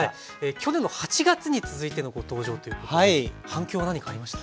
去年の８月に続いてのご登場ということで反響は何かありました？